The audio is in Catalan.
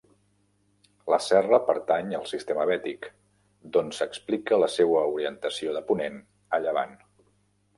La serra pertany al sistema Bètic, d'on s'explica la seua orientació de ponent a llevant.